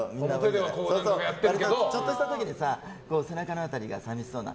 ちょっとした時に背中の辺りが寂しそうな。